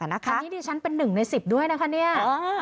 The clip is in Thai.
อันนี้ดิฉันเป็น๑ใน๑๐ด้วยนะคะเนี่ย